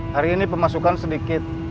hari ini pemasukan sedikit